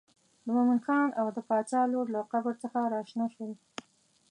د مومن خان او د باچا لور له قبر څخه راشنه شول.